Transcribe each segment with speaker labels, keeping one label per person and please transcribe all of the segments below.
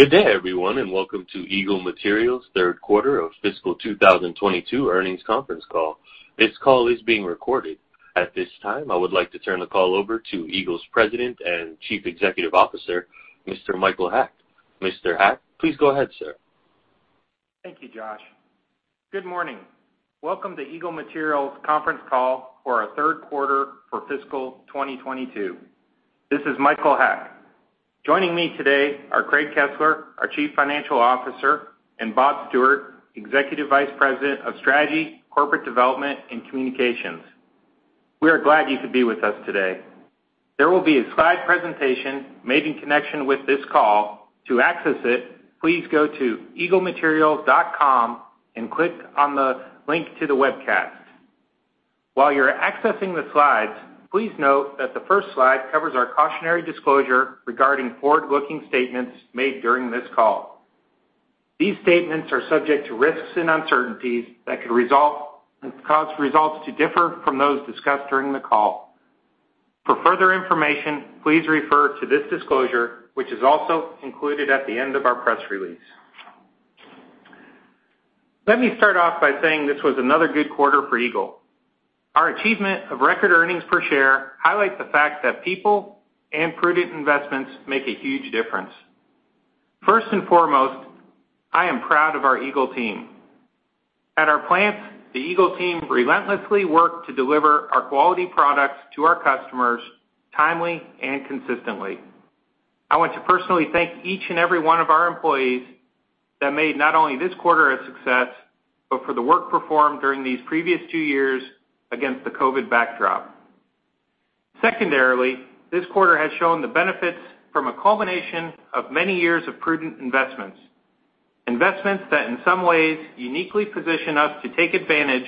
Speaker 1: Good day, everyone, and welcome to Eagle Materials third quarter of fiscal 2022 earnings conference call. This call is being recorded. At this time, I would like to turn the call over to Eagle's President and Chief Executive Officer, Mr. Michael Haack. Mr. Haack, please go ahead, sir.
Speaker 2: Thank you, Josh. Good morning. Welcome to Eagle Materials conference call for our third quarter for fiscal 2022. This is Michael Haack. Joining me today are Craig Kesler, our Chief Financial Officer, and Bob Stewart, Executive Vice President of Strategy, Corporate Development, and Communications. We are glad you could be with us today. There will be a slide presentation made in connection with this call. To access it, please go to eaglematerials.com and click on the link to the webcast. While you're accessing the slides, please note that the first slide covers our cautionary disclosure regarding forward-looking statements made during this call. These statements are subject to risks and uncertainties that could cause results to differ from those discussed during the call. For further information, please refer to this disclosure, which is also included at the end of our press release. Let me start off by saying this was another good quarter for Eagle. Our achievement of record earnings per share highlights the fact that people and prudent investments make a huge difference. First and foremost, I am proud of our Eagle team. At our plants, the Eagle team relentlessly work to deliver our quality products to our customers timely and consistently. I want to personally thank each and every one of our employees that made not only this quarter a success, but for the work performed during these previous two years against the COVID backdrop. Secondarily, this quarter has shown the benefits from a culmination of many years of prudent investments that in some ways uniquely position us to take advantage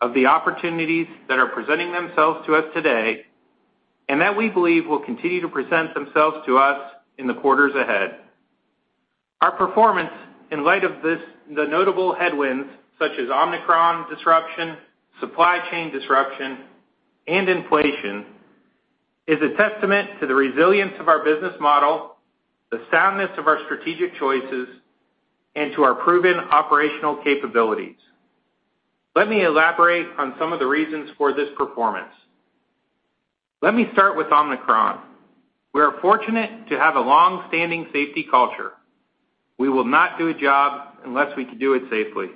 Speaker 2: of the opportunities that are presenting themselves to us today and that we believe will continue to present themselves to us in the quarters ahead. Our performance in light of this, the notable headwinds such as Omicron disruption, supply chain disruption, and inflation, is a testament to the resilience of our business model, the soundness of our strategic choices, and to our proven operational capabilities. Let me elaborate on some of the reasons for this performance. Let me start with Omicron. We are fortunate to have a long-standing safety culture. We will not do a job unless we can do it safely.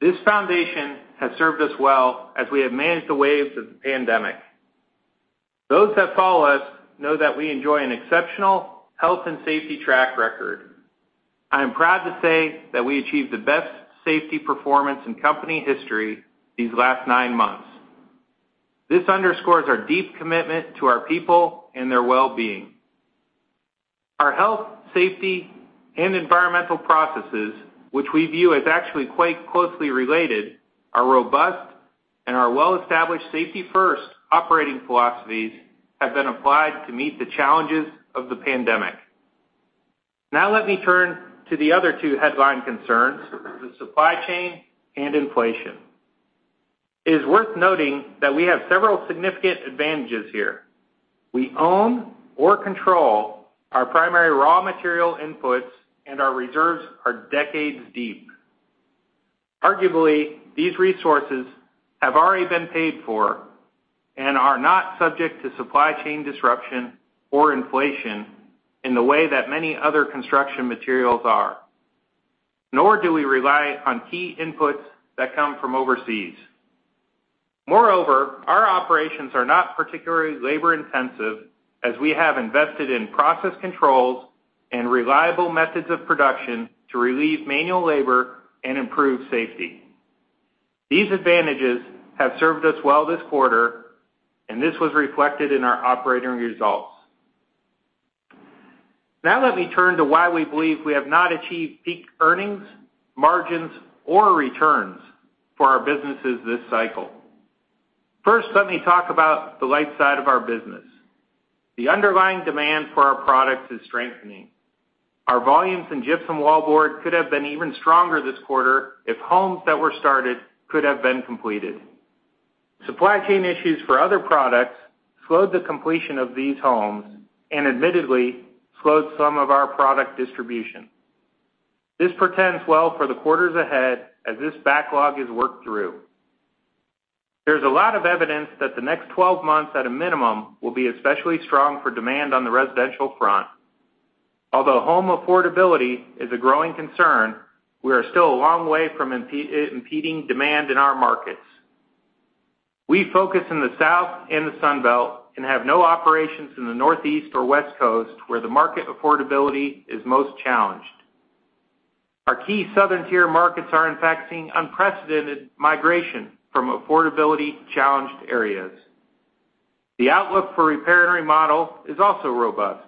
Speaker 2: This foundation has served us well as we have managed the waves of the pandemic. Those that follow us know that we enjoy an exceptional health and safety track record. I am proud to say that we achieved the best safety performance in company history these last nine months. This underscores our deep commitment to our people and their well-being. Our health, safety, and environmental processes, which we view as actually quite closely related, are robust, and our well-established safety-first operating philosophies have been applied to meet the challenges of the pandemic. Now let me turn to the other two headline concerns, the supply chain and inflation. It is worth noting that we have several significant advantages here. We own or control our primary raw material inputs, and our reserves are decades deep. Arguably, these resources have already been paid for and are not subject to supply chain disruption or inflation in the way that many other construction materials are, nor do we rely on key inputs that come from overseas. Moreover, our operations are not particularly labor-intensive, as we have invested in process controls and reliable methods of production to relieve manual labor and improve safety. These advantages have served us well this quarter, and this was reflected in our operating results. Now let me turn to why we believe we have not achieved peak earnings, margins, or returns for our businesses this cycle. First, let me talk about the light side of our business. The underlying demand for our products is strengthening. Our volumes in gypsum wallboard could have been even stronger this quarter if homes that were started could have been completed. Supply chain issues for other products slowed the completion of these homes and admittedly slowed some of our product distribution. This portends well for the quarters ahead as this backlog is worked through. There's a lot of evidence that the next 12 months at a minimum will be especially strong for demand on the residential front. Although home affordability is a growing concern, we are still a long way from impeding demand in our markets. We focus in the South and the Sun Belt and have no operations in the Northeast or West Coast, where the market affordability is most challenged. Our key southern tier markets are in fact seeing unprecedented migration from affordability-challenged areas. The outlook for repair and remodel is also robust.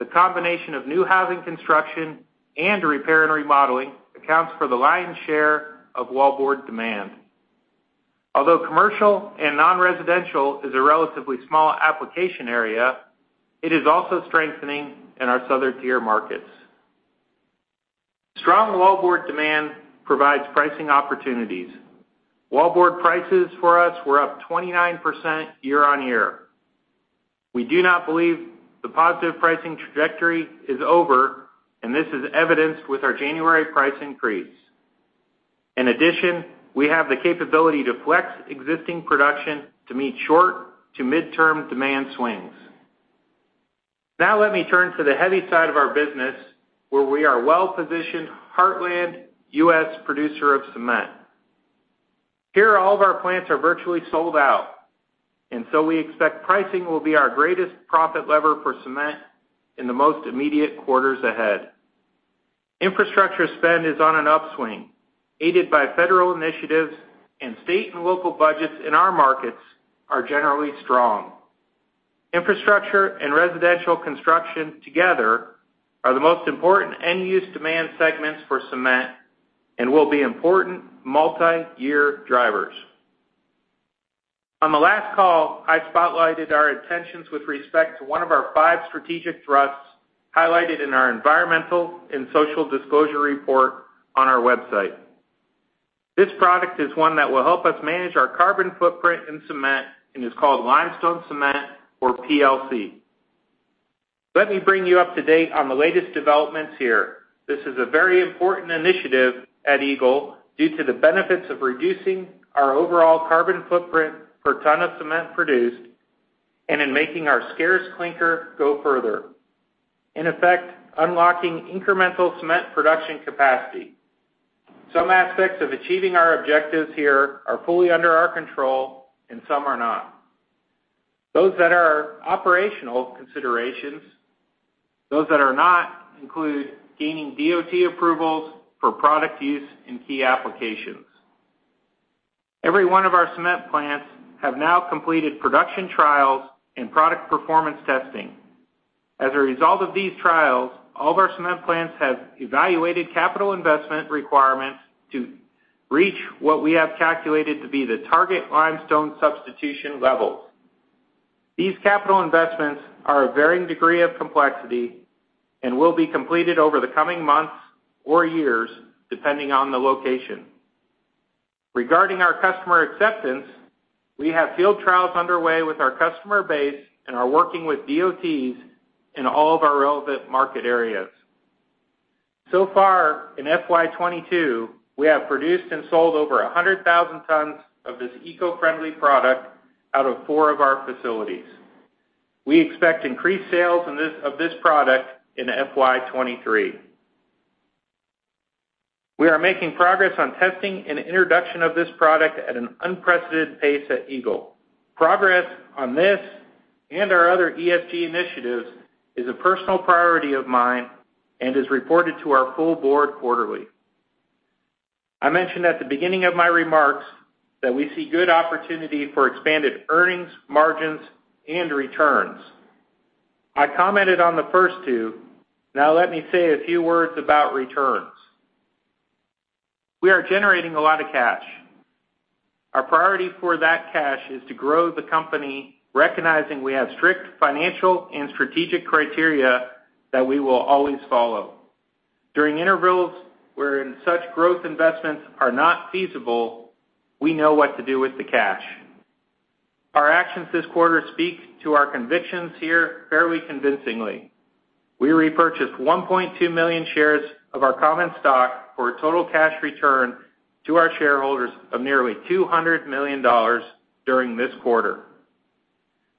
Speaker 2: The combination of new housing construction and repair and remodeling accounts for the lion's share of wallboard demand. Although commercial and non-residential is a relatively small application area, it is also strengthening in our southern tier markets. Strong wallboard demand provides pricing opportunities. Wallboard prices for us were up 29% year-over-year. We do not believe the positive pricing trajectory is over, and this is evidenced with our January price increase. In addition, we have the capability to flex existing production to meet short- to mid-term demand swings. Now let me turn to the heavy side of our business, where we are well-positioned heartland U.S. producer of cement. Here, all of our plants are virtually sold out, and so we expect pricing will be our greatest profit lever for cement in the most immediate quarters ahead. Infrastructure spend is on an upswing, aided by federal initiatives and state and local budgets, in our markets, are generally strong. Infrastructure and residential construction together are the most important end-use demand segments for cement and will be important multiyear drivers. On the last call, I spotlighted our intentions with respect to one of our five strategic thrusts highlighted in our environmental and social disclosure report on our website. This product is one that will help us manage our carbon footprint in cement, and is called Limestone Cement or PLC. Let me bring you up to date on the latest developments here. This is a very important initiative at Eagle due to the benefits of reducing our overall carbon footprint per ton of cement produced and in making our scarce clinker go further. In effect, unlocking incremental cement production capacity. Some aspects of achieving our objectives here are fully under our control and some are not. Those that are operational considerations, those that are not, include gaining DOT approvals for product use in key applications. Every one of our cement plants have now completed production trials and product performance testing. As a result of these trials, all of our cement plants have evaluated capital investment requirements to reach what we have calculated to be the target limestone substitution levels. These capital investments are a varying degree of complexity and will be completed over the coming months or years, depending on the location. Regarding our customer acceptance, we have field trials underway with our customer base and are working with DOTs in all of our relevant market areas. So far, in FY 2022, we have produced and sold over 100,000 tons of this eco-friendly product out of four of our facilities. We expect increased sales of this product in FY 2023. We are making progress on testing and introduction of this product at an unprecedented pace at Eagle. Progress on this and our other ESG initiatives is a personal priority of mine and is reported to our full board quarterly. I mentioned at the beginning of my remarks that we see good opportunity for expanded earnings, margins, and returns. I commented on the first two. Now let me say a few words about returns. We are generating a lot of cash. Our priority for that cash is to grow the company, recognizing we have strict financial and strategic criteria that we will always follow. During intervals wherein such growth investments are not feasible, we know what to do with the cash. Our actions this quarter speak to our convictions here fairly convincingly. We repurchased 1.2 million shares of our common stock for a total cash return to our shareholders of nearly $200 million during this quarter.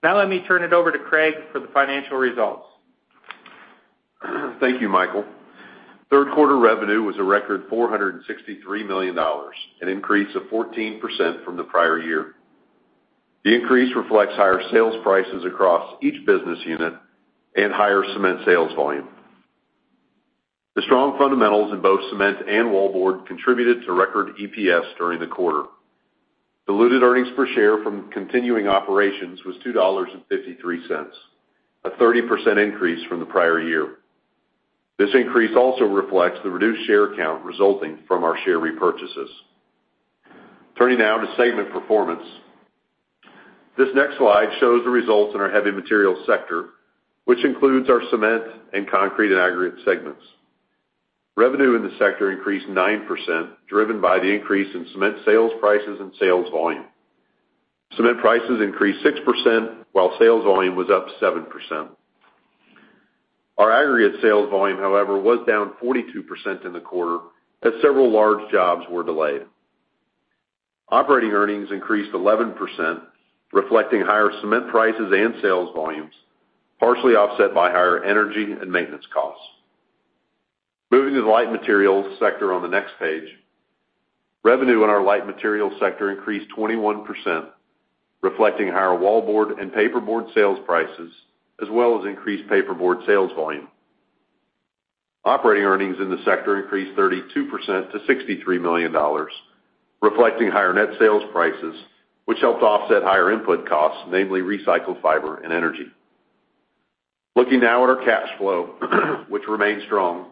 Speaker 2: Now let me turn it over to Craig for the financial results.
Speaker 3: Thank you, Michael. Third quarter revenue was a record $463 million, an increase of 14% from the prior year. The increase reflects higher sales prices across each business unit and higher cement sales volume. The strong fundamentals in both cement and wallboard contributed to record EPS during the quarter. Diluted earnings per share from continuing operations was $2.53, a 30% increase from the prior year. This increase also reflects the reduced share count resulting from our share repurchases. Turning now to segment performance. This next slide shows the results in our heavy materials sector, which includes our cement and concrete and aggregate segments. Revenue in the sector increased 9%, driven by the increase in cement sales prices and sales volume. Cement prices increased 6%, while sales volume was up 7%. Our aggregate sales volume, however, was down 42% in the quarter as several large jobs were delayed. Operating earnings increased 11%, reflecting higher cement prices and sales volumes, partially offset by higher energy and maintenance costs. Moving to the light materials sector on the next page. Revenue in our light materials sector increased 21%, reflecting higher wallboard and paperboard sales prices, as well as increased paperboard sales volume. Operating earnings in the sector increased 32% to $63 million, reflecting higher net sales prices, which helped offset higher input costs, namely recycled fiber and energy. Looking now at our cash flow, which remains strong.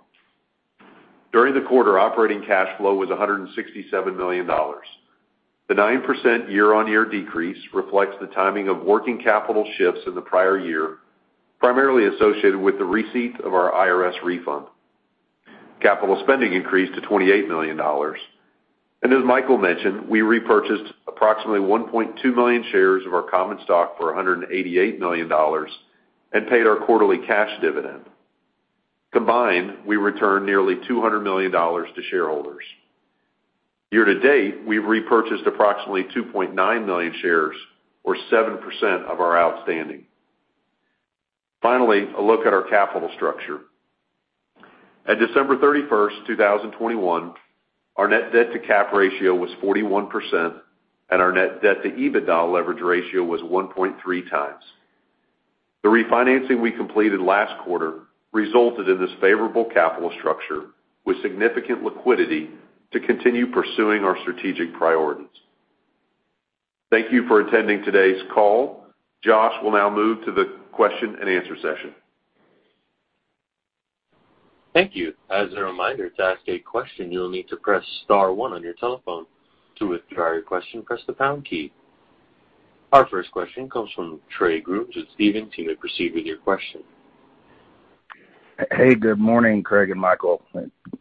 Speaker 3: During the quarter, operating cash flow was $167 million. The 9% year-on-year decrease reflects the timing of working capital shifts in the prior year, primarily associated with the receipt of our IRS refund. Capital spending increased to $28 million. As Michael mentioned, we repurchased approximately 1.2 million shares of our common stock for $188 million and paid our quarterly cash dividend. Combined, we returned nearly $200 million to shareholders. Year-to-date, we've repurchased approximately 2.9 million shares or 7% of our outstanding. Finally, a look at our capital structure. At December 31, 2021, our net debt to cap ratio was 41%, and our net debt to EBITDA leverage ratio was 1.3x. The refinancing we completed last quarter resulted in this favorable capital structure with significant liquidity to continue pursuing our strategic priorities. Thank you for attending today's call. Josh will now move to the question-and-answer session.
Speaker 1: Thank you. As a reminder, to ask a question, you'll need to press star one on your telephone. To withdraw your question, press the pound key. Our first question comes from Trey Grooms with Stephens. You may proceed with your question.
Speaker 4: Hey, good morning, Craig and Michael.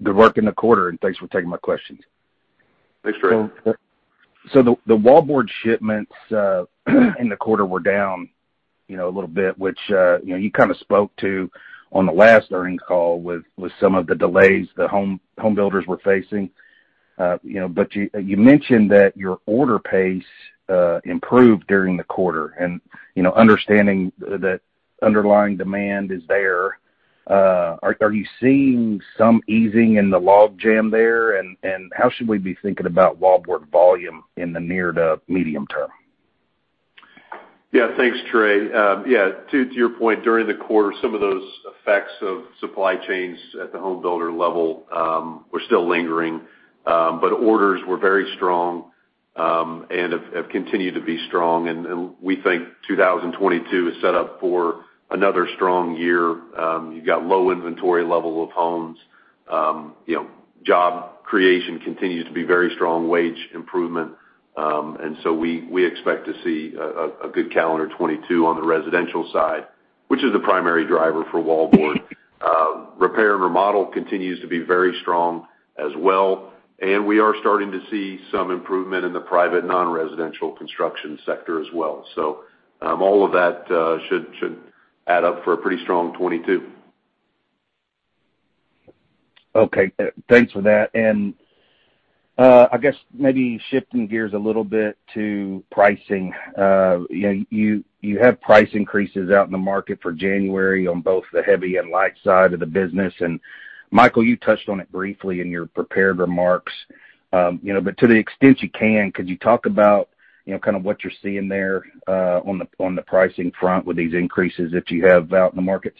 Speaker 4: Good work in the quarter, and thanks for taking my questions.
Speaker 3: Thanks, Trey.
Speaker 4: The wallboard shipments in the quarter were down, you know, a little bit, which you know, you kind of spoke to on the last earnings call with some of the delays the homebuilders were facing. You know, but you mentioned that your order pace improved during the quarter. You know, understanding that underlying demand is there, are you seeing some easing in the logjam there? How should we be thinking about wallboard volume in the near to medium term?
Speaker 3: Yeah, thanks, Trey. Yeah, to your point, during the quarter, some of those effects of supply chains at the homebuilder level were still lingering, but orders were very strong and have continued to be strong. We think 2022 is set up for another strong year. You've got low inventory level of homes. You know, job creation continues to be very strong, wage improvement. We expect to see a good calendar 2022 on the residential side, which is the primary driver for wallboard. Repair and remodel continues to be very strong as well, and we are starting to see some improvement in the private non-residential construction sector as well. All of that should add up for a pretty strong 2022.
Speaker 4: Okay. Thanks for that. I guess maybe shifting gears a little bit to pricing. You know, you have price increases out in the market for January on both the heavy and light side of the business. Michael, you touched on it briefly in your prepared remarks. You know, but to the extent you can, could you talk about, you know, kind of what you're seeing there, on the pricing front with these increases that you have out in the markets?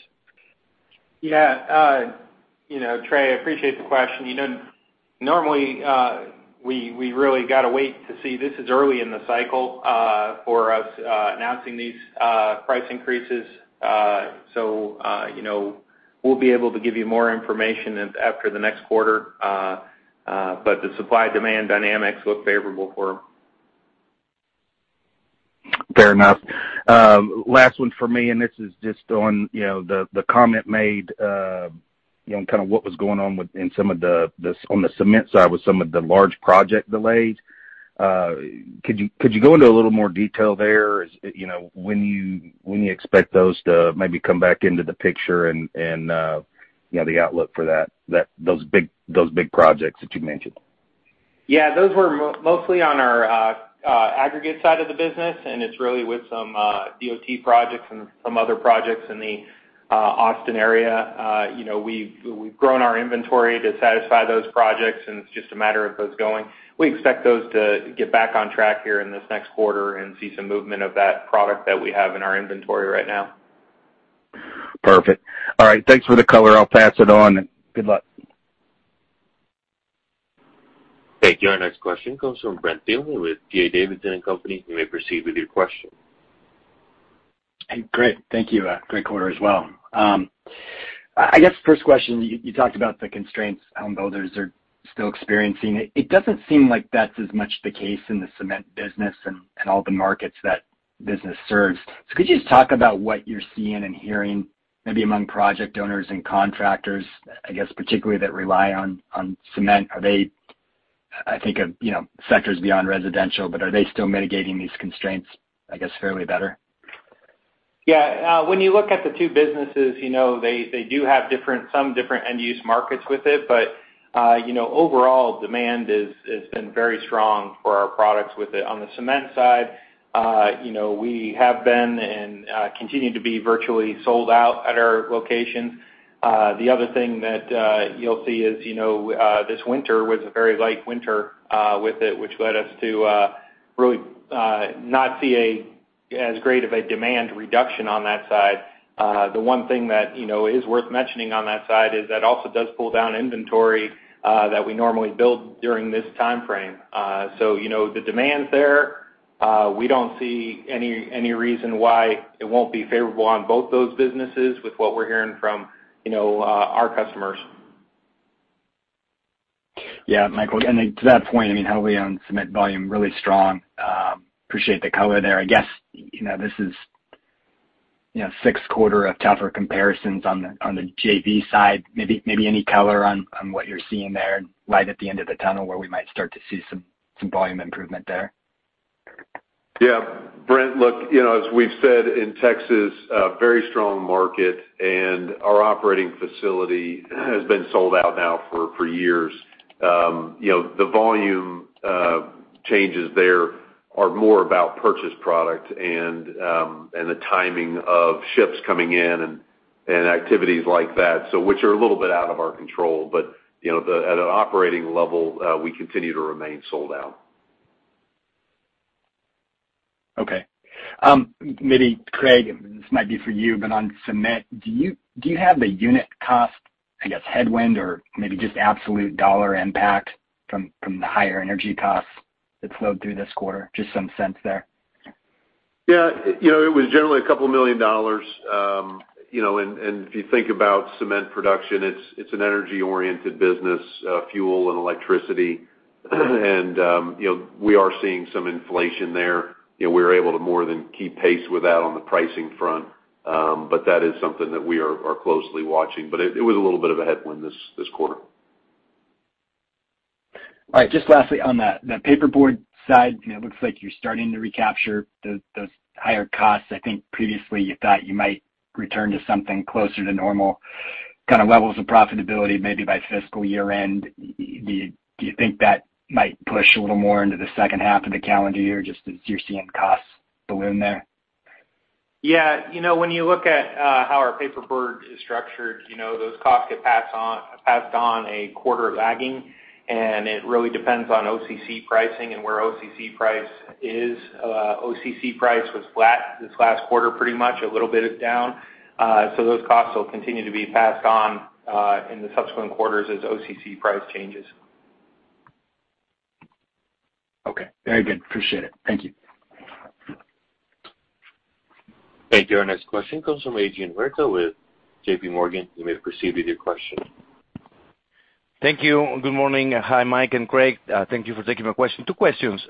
Speaker 2: Yeah. You know, Trey, I appreciate the question. You know, normally, we really got to wait to see. This is early in the cycle for us announcing these price increases. So, you know, we'll be able to give you more information after the next quarter. But the supply-demand dynamics look favorable for.
Speaker 4: Fair enough. Last one for me, and this is just on, you know, the comment made, you know, on kind of what was going on with in some of the on the cement side with some of the large project delays. Could you go into a little more detail there? You know, when you expect those to maybe come back into the picture and, you know, the outlook for that, those big projects that you mentioned?
Speaker 2: Yeah. Those were mostly on our aggregate side of the business, and it's really with some DOT projects and some other projects in the Austin area. You know, we've grown our inventory to satisfy those projects, and it's just a matter of those going. We expect those to get back on track here in this next quarter and see some movement of that product that we have in our inventory right now.
Speaker 4: Perfect. All right. Thanks for the color. I'll pass it on, and good luck.
Speaker 1: Thank you. Our next question comes from Brent Thielman with D.A. Davidson & Company. You may proceed with your question.
Speaker 5: Great. Thank you. Great quarter as well. I guess first question, you talked about the constraints homebuilders are still experiencing. It doesn't seem like that's as much the case in the cement business and all the markets that business serves. So could you just talk about what you're seeing and hearing maybe among project owners and contractors, I guess, particularly that rely on cement? Are they, I think of, you know, sectors beyond residential, but are they still mitigating these constraints, I guess, fairly better?
Speaker 2: Yeah. When you look at the two businesses, you know, they do have different, some different end-use markets with it. You know, overall, demand has been very strong for our products with it. On the cement side, you know, we have been and continue to be virtually sold out at our locations. The other thing that you'll see is, you know, this winter was a very light winter with it, which led us to really not see as great of a demand reduction on that side. The one thing that you know is worth mentioning on that side is that also does pull down inventory that we normally build during this timeframe. You know, the demand's there. We don't see any reason why it won't be favorable on both those businesses with what we're hearing from, you know, our customers.
Speaker 5: Yeah, Michael, to that point, I mean, heavily on cement volume, really strong. Appreciate the color there. I guess, you know, this is, you know, the sixth quarter of tougher comparisons on the JV side. Maybe any color on what you're seeing there, light at the end of the tunnel where we might start to see some volume improvement there?
Speaker 3: Yeah. Brent, look, you know, as we've said in Texas, a very strong market, and our operating facility has been sold out now for years. You know, the volume changes there are more about purchased product and the timing of ships coming in and activities like that, so which are a little bit out of our control. You know, at an operating level, we continue to remain sold out.
Speaker 5: Okay. Maybe Craig, this might be for you, but on cement, do you have a unit cost, I guess, headwind or maybe just absolute dollar impact from the higher energy costs that flowed through this quarter? Just some sense there.
Speaker 3: Yeah. You know, it was generally $2 million. You know, if you think about cement production, it's an energy-oriented business, fuel, and electricity. You know, we are seeing some inflation there. You know, we're able to more than keep pace with that on the pricing front. That is something that we are closely watching. It was a little bit of a headwind this quarter.
Speaker 5: All right, just lastly on the paperboard side. You know, it looks like you're starting to recapture those higher costs. I think previously you thought you might return to something closer to normal kind of levels of profitability maybe by fiscal year-end. Do you think that might push a little more into the second half of the calendar year just as you're seeing costs balloon there?
Speaker 2: Yeah. You know, when you look at how our paperboard is structured, you know, those costs get passed on a quarter lagging, and it really depends on OCC pricing and where OCC price is. OCC price was flat this last quarter, pretty much a little bit down. Those costs will continue to be passed on in the subsequent quarters as OCC price changes.
Speaker 5: Okay. Very good. Appreciate it. Thank you.
Speaker 1: Thank you. Our next question comes from Adrian Huerta with JPMorgan. You may proceed with your question.
Speaker 6: Thank you. Good morning. Hi, Mike and Craig. Thank you for taking my question. Two questions.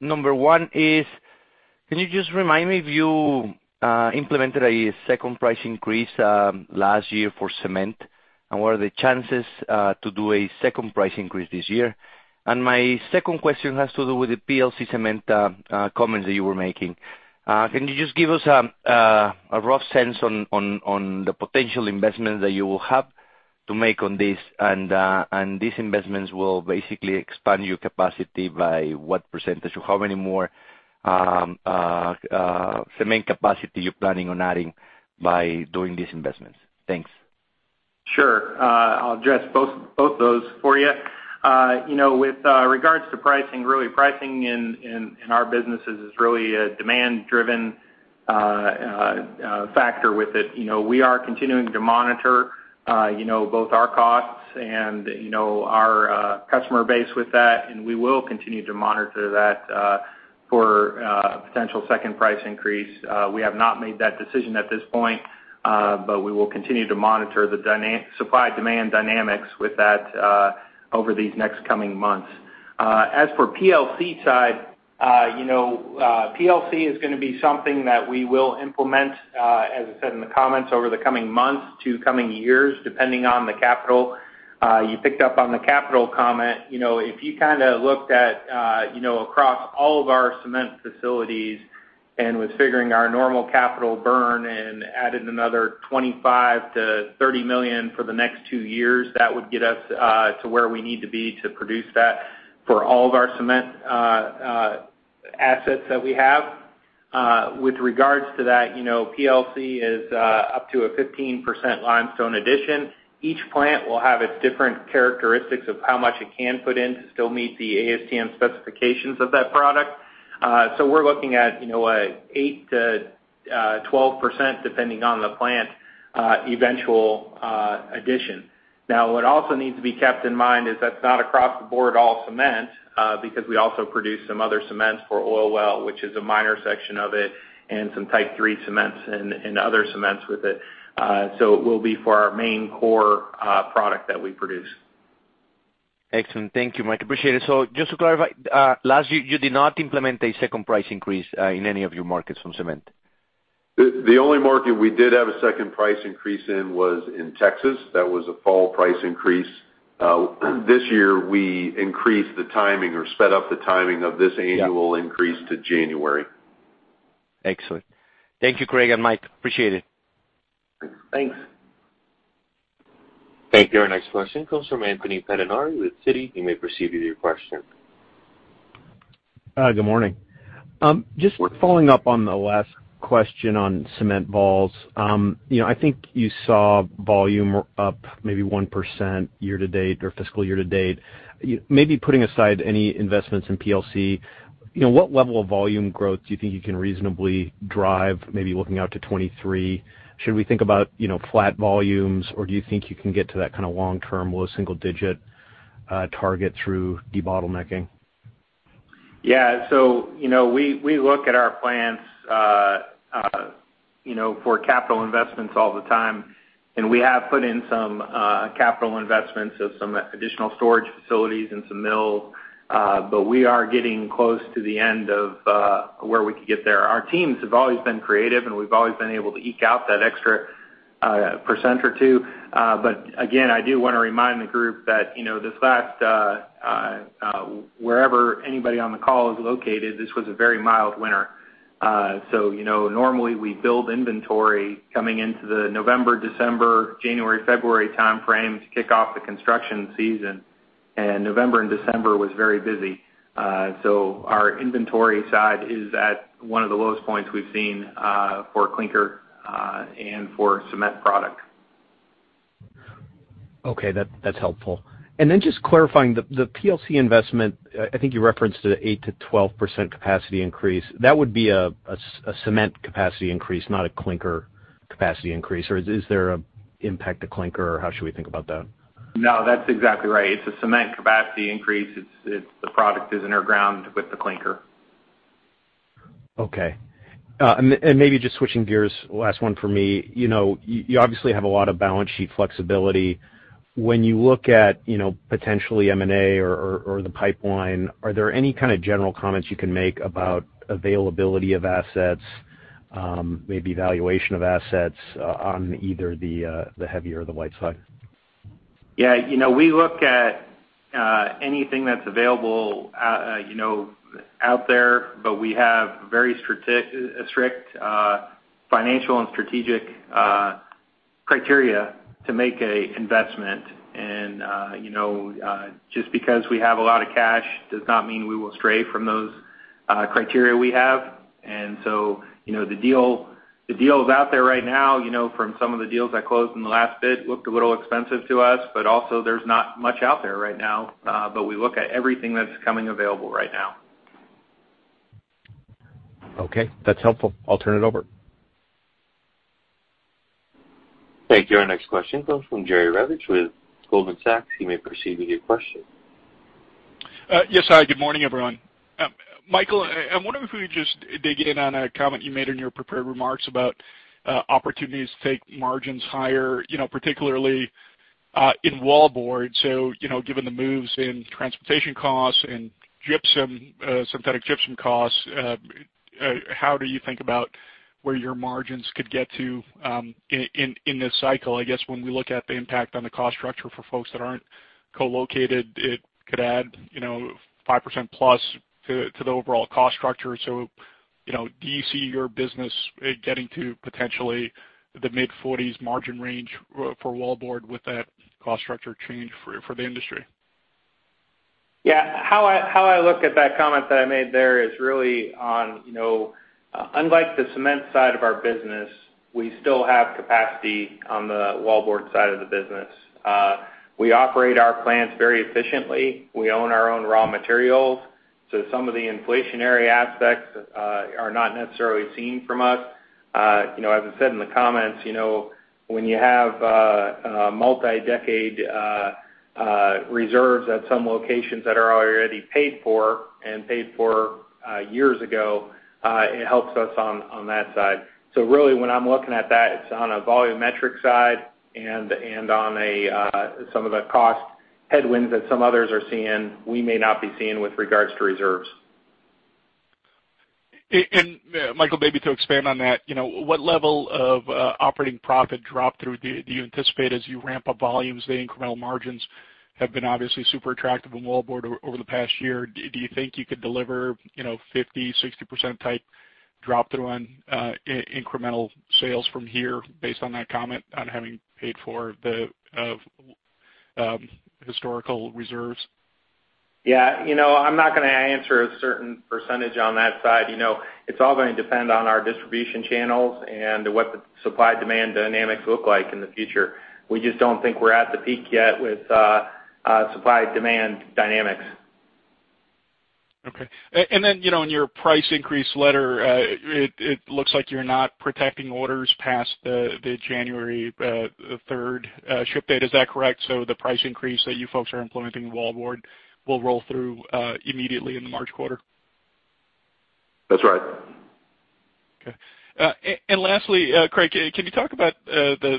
Speaker 6: Number one is, can you just remind me if you implemented a second price increase last year for cement, and what are the chances to do a second price increase this year? My second question has to do with the PLC cement comments that you were making. Can you just give us a rough sense on the potential investment that you will have to make on this and these investments will basically expand your capacity by what percentage? How many more cement capacity you're planning on adding by doing these investments? Thanks.
Speaker 2: Sure. I'll address both those for you. You know, with regards to pricing, really pricing in our businesses is really a demand-driven factor with it. You know, we are continuing to monitor you know, both our costs and our customer base with that, and we will continue to monitor that for potential second price increase. We have not made that decision at this point, but we will continue to monitor the supply-demand dynamics with that over these next coming months. As for PLC side, you know, PLC is gonna be something that we will implement, as I said in the comments, over the coming months to coming years, depending on the capital. You picked up on the capital comment. You know, if you kind of looked at, you know, across all of our cement facilities and was figuring our normal capital burn and added another $25 million-$30 million for the next two years, that would get us to where we need to be to produce that for all of our cement assets that we have. With regards to that, you know, PLC is up to a 15% limestone addition. Each plant will have its different characteristics of how much it can put in to still meet the ASTM specifications of that product. So we're looking at, you know, 8%-12%, depending on the plant, eventual addition. Now, what also needs to be kept in mind is that's not across the board all cement, because we also produce some other cements for oil well, which is a minor section of it, and some Type III cements and other cements with it. It will be for our main core product that we produce.
Speaker 6: Excellent. Thank you, Mike. Appreciate it. Just to clarify, last year, you did not implement a second price increase in any of your markets on cement?
Speaker 3: The only market we did have a second price increase in was in Texas. That was a fall price increase. This year, we increased the timing or sped up the timing of this annual increase to January.
Speaker 6: Excellent. Thank you, Craig and Mike. Appreciate it.
Speaker 2: Thanks.
Speaker 1: Thank you. Our next question comes from Anthony Pettinari with Citi. You may proceed with your question.
Speaker 7: Good morning. Just following up on the last question on cement vols. You know, I think you saw volume up maybe 1% year-to-date or fiscal year-to-date. Maybe putting aside any investments in PLC, you know, what level of volume growth do you think you can reasonably drive maybe looking out to 2023? Should we think about, you know, flat volumes, or do you think you can get to that kind of long-term low single-digit target through debottlenecking?
Speaker 2: Yeah. You know, we look at our plants, you know, for capital investments all the time, and we have put in some capital investments of some additional storage facilities in some mills. We are getting close to the end of where we could get there. Our teams have always been creative, and we've always been able to eke out that extra percent or two. Again, I do wanna remind the group that, you know, this last winter wherever anybody on the call is located, this was a very mild winter. You know, normally we build inventory coming into the November, December, January, February timeframe to kick off the construction season, and November and December was very busy. Our inventory side is at one of the lowest points we've seen, for clinker, and for cement product.
Speaker 7: Okay, that's helpful. Then just clarifying the PLC investment, I think you referenced an 8%-12% capacity increase. That would be a cement capacity increase, not a clinker capacity increase, or is there an impact to clinker or how should we think about that?
Speaker 2: No, that's exactly right. It's a cement capacity increase. It's the product is in our ground with the clinker.
Speaker 7: Okay. Maybe just switching gears, last one for me. You know, you obviously have a lot of balance sheet flexibility. When you look at, you know, potentially M&A or the pipeline, are there any kind of general comments you can make about availability of assets, maybe valuation of assets on either the heavy or the light side?
Speaker 2: Yeah, you know, we look at anything that's available, you know, out there, but we have very strict financial and strategic criteria to make an investment. You know, just because we have a lot of cash does not mean we will stray from those criteria we have. You know, the deal is out there right now, you know from some of the deals that closed in the last bit looked a little expensive to us, but also there's not much out there right now. But, we look at everything that's coming available right now.
Speaker 7: Okay, that's helpful. I'll turn it over.
Speaker 1: Thank you. Our next question comes from Jerry Revich with Goldman Sachs. You may proceed with your question.
Speaker 8: Yes, hi, good morning, everyone. Michael, I wonder if we could just dig in on a comment you made in your prepared remarks about opportunities to take margins higher, you know, particularly in wallboard. You know, given the moves in transportation costs in gypsum, synthetic gypsum costs, how do you think about where your margins could get to in this cycle? I guess when we look at the impact on the cost structure for folks that aren't co-located, it could add, you know, 5% plus to the overall cost structure. You know, do you see your business getting to potentially the mid-40s% margin range for wallboard with that cost structure change for the industry?
Speaker 2: Yeah. How I look at that comment that I made there is really on, you know, unlike the cement side of our business, we still have capacity on the wallboard side of the business. We operate our plants very efficiently. We own our own raw materials, so some of the inflationary aspects are not necessarily seen from us. You know, as I said in the comments, you know, when you have multi-decade reserves at some locations that are already paid for years ago, it helps us on that side. Really, when I'm looking at that, it's on a volumetric side and on some of the cost headwinds that some others are seeing, we may not be seeing with regards to reserves.
Speaker 8: Michael, maybe to expand on that. You know, what level of operating profit drop through do you anticipate as you ramp up volumes? The incremental margins have been obviously super attractive in wallboard over the past year. Do you think you could deliver, you know, 50%-60% type drop-through on incremental sales from here based on that comment on having paid for the historical reserves?
Speaker 2: Yeah. You know, I'm not gonna answer a certain percentage on that side. You know, it's all gonna depend on our distribution channels and what the supply-demand dynamics look like in the future. We just don't think we're at the peak yet with supply-demand dynamics.
Speaker 8: Okay. Then, you know, in your price increase letter, it looks like you're not protecting orders past the January the third ship date. Is that correct? The price increase that you folks are implementing in wallboard will roll through immediately in the March quarter?
Speaker 3: That's right.
Speaker 8: Okay. Lastly, Craig, can you talk about the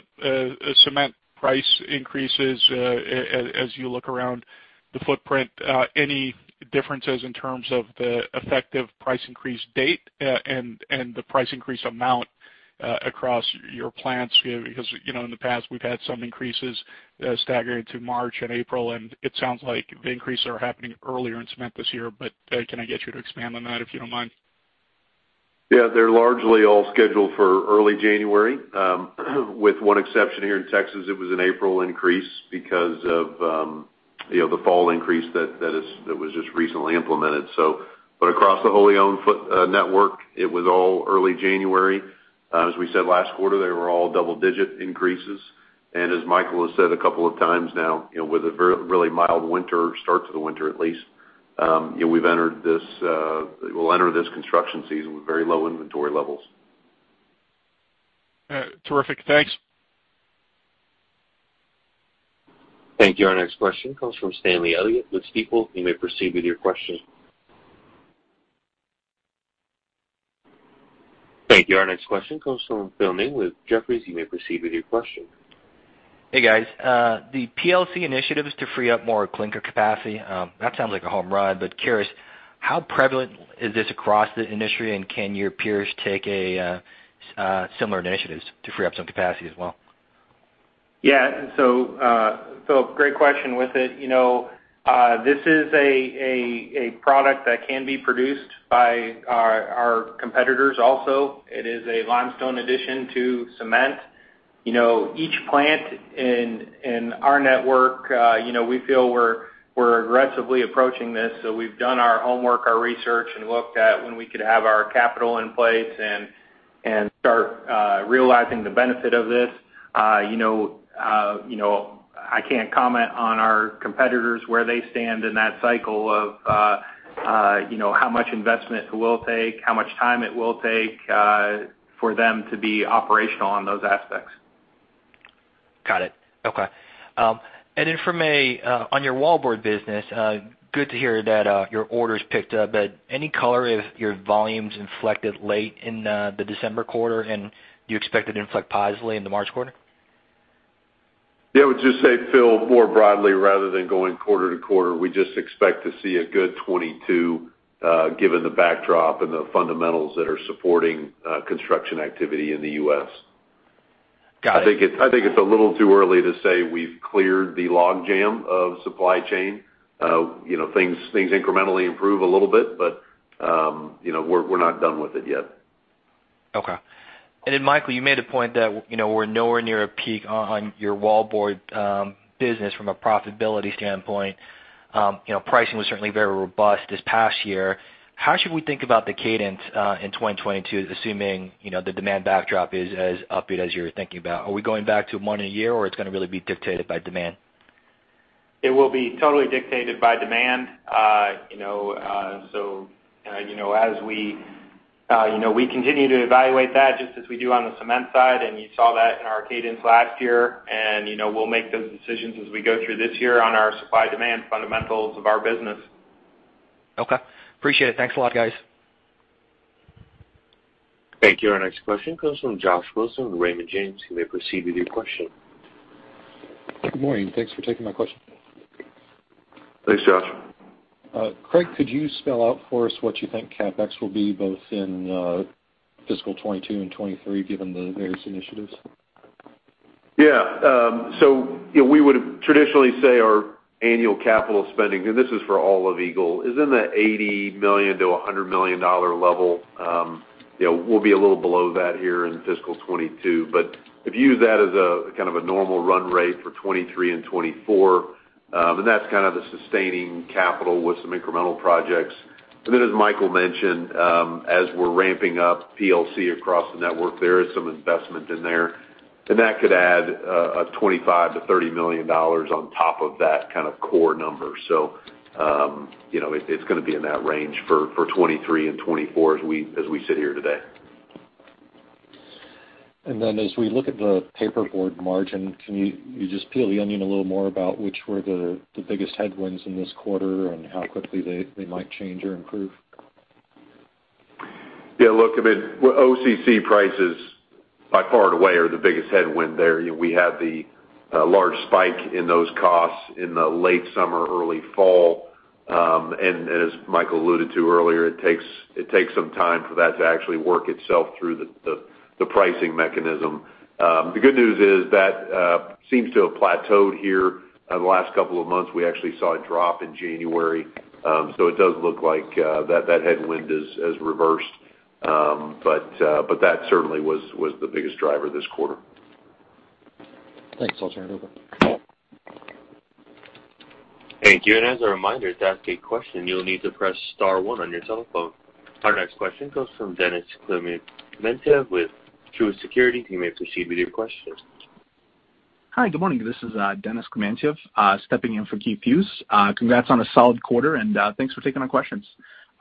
Speaker 8: cement price increases, as you look around the footprint? Any differences in terms of the effective price increase date, and the price increase amount, across your plants? You know, because, you know, in the past we've had some increases, staggered to March and April, and it sounds like the increases are happening earlier in cement this year, but can I get you to expand on that, if you don't mind?
Speaker 3: Yeah, they're largely all scheduled for early January, with one exception here in Texas, it was an April increase because of, you know, the fall increase that was just recently implemented. Across the wholly owned footprint network, it was all early January. As we said last quarter, they were all double-digit increases. As Michael has said a couple of times now, you know, with a really mild winter, start to the winter at least, you know, we've entered this, we'll enter this construction season with very low inventory levels.
Speaker 8: Terrific. Thanks.
Speaker 1: Thank you. Our next question comes from Stanley Elliott with Stifel. You may proceed with your question. Thank you. Our next question comes from Phil Ng with Jefferies. You may proceed with your question.
Speaker 9: Hey, guys. The PLC initiatives to free up more clinker capacity, that sounds like a home run, but curious, how prevalent is this across the industry, and can your peers take similar initiatives to free up some capacity as well?
Speaker 2: Yeah. Phil, great question with it. You know, this is a product that can be produced by our competitors also. It is a limestone addition to cement. You know, each plant in our network, you know, we feel we're aggressively approaching this, so we've done our homework, our research, and looked at when we could have our capital in place and start realizing the benefit of this. You know, I can't comment on our competitors, where they stand in that cycle of, you know, how much investment it will take, how much time it will take, for them to be operational on those aspects.
Speaker 9: Got it. Okay. On your wallboard business, good to hear that your orders picked up. Any color if your volumes inflected late in the December quarter and you expect it to inflect positively in the March quarter?
Speaker 3: Yeah. I would just say, Phil, more broadly rather than going quarter-to-quarter, we just expect to see a good 2022, given the backdrop and the fundamentals that are supporting construction activity in the U.S.
Speaker 9: Got it.
Speaker 3: I think it's a little too early to say we've cleared the logjam of supply chain. You know, things incrementally improve a little bit, but you know, we're not done with it yet.
Speaker 9: Okay. Michael, you made a point that, you know, we're nowhere near a peak on your wallboard business from a profitability standpoint. You know, pricing was certainly very robust this past year. How should we think about the cadence in 2022, assuming, you know, the demand backdrop is as upbeat as you're thinking about? Are we going back to more than a year or it's gonna really be dictated by demand?
Speaker 2: It will be totally dictated by demand. You know, so, you know, as we, you know, we continue to evaluate that just as we do on the cement side, and you saw that in our cadence last year. You know, we'll make those decisions as we go through this year on our supply-demand fundamentals of our business.
Speaker 9: Okay. Appreciate it. Thanks a lot, guys.
Speaker 1: Thank you. Our next question comes from Josh Wilson with Raymond James. You may proceed with your question.
Speaker 10: Good morning. Thanks for taking my question.
Speaker 3: Thanks, Josh.
Speaker 10: Craig, could you spell out for us what you think CapEx will be both in fiscal 2022 and 2023, given the various initiatives?
Speaker 3: Yeah. You know, we would traditionally say our annual capital spending, and this is for all of Eagle, is in the $80 million-$100 million level. You know, we'll be a little below that here in fiscal 2022. If you use that as a kind of a normal run rate for 2023 and 2024, and that's kind of the sustaining capital with some incremental projects. As Michael mentioned, as we're ramping up PLC across the network, there is some investment in there, and that could add a $25 million-$30 million on top of that kind of core number. You know, it's gonna be in that range for 2023 and 2024 as we sit here today.
Speaker 10: As we look at the paperboard margin, can you just peel the onion a little more about which were the biggest headwinds in this quarter and how quickly they might change or improve?
Speaker 3: Yeah, look, I mean, well, OCC prices by far and away are the biggest headwind there. You know, we had the large spike in those costs in the late summer, early fall. As Michael alluded to earlier, it takes some time for that to actually work itself through the pricing mechanism. The good news is that seems to have plateaued here. The last couple of months, we actually saw a drop in January. It does look like that headwind has reversed. That certainly was the biggest driver this quarter.
Speaker 10: Thanks. I'll turn it over.
Speaker 1: Thank you. As a reminder, to ask a question, you'll need to press star one on your telephone. Our next question comes from Denis Klementiev with Truist Securities. You may proceed with your question.
Speaker 11: Hi, good morning. This is Denis Klementiev stepping in for Keith Hughes. Congrats on a solid quarter and thanks for taking our questions.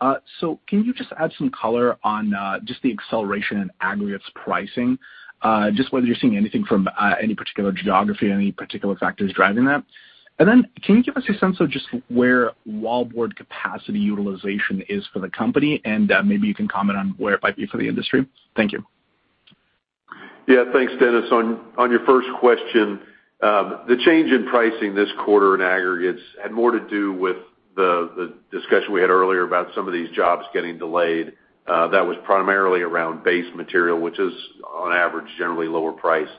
Speaker 11: Can you just add some color on just the acceleration in aggregates pricing? Just whether you're seeing anything from any particular geography or any particular factors driving that. Can you give us a sense of just where wallboard capacity utilization is for the company, and maybe you can comment on where it might be for the industry? Thank you.
Speaker 3: Yeah. Thanks, Denis. On your first question, the change in pricing this quarter in aggregates had more to do with the discussion we had earlier about some of these jobs getting delayed. That was primarily around base material, which is on average generally lower priced.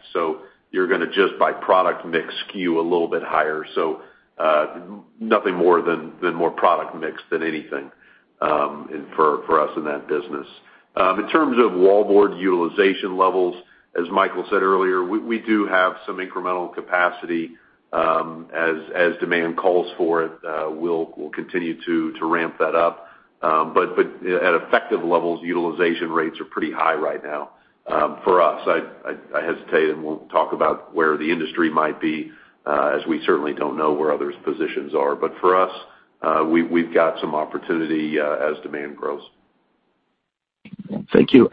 Speaker 3: You're gonna just by product mix skew a little bit higher. Nothing more than more product mix than anything, and for us in that business. In terms of wallboard utilization levels, as Michael said earlier, we do have some incremental capacity. As demand calls for it, we'll continue to ramp that up. You know, at effective levels, utilization rates are pretty high right now, for us. I hesitate and won't talk about where the industry might be, as we certainly don't know where others' positions are. But for us, we've got some opportunity, as demand grows.
Speaker 11: Thank you.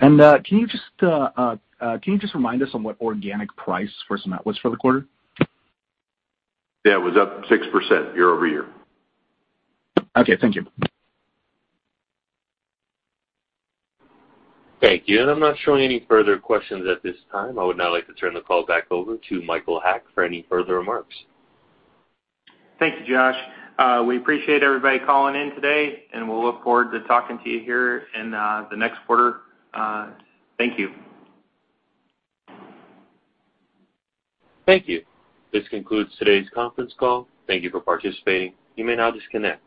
Speaker 11: Can you just remind us on what organic price for cement was for the quarter?
Speaker 3: Yeah. It was up 6% year-over-year.
Speaker 11: Okay. Thank you.
Speaker 1: Thank you. I'm not showing any further questions at this time. I would now like to turn the call back over to Michael Haack for any further remarks.
Speaker 2: Thank you, Josh. We appreciate everybody calling in today, and we'll look forward to talking to you here in the next quarter. Thank you.
Speaker 1: Thank you. This concludes today's conference call. Thank you for participating. You may now disconnect.